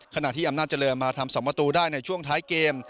ขณะที่อำนาจเจริญมาทำ๒ประตูได้ในช่วงท้ายเกม